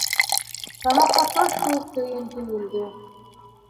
Тамаҡҡа таш кеүек төйөн төйөлдө.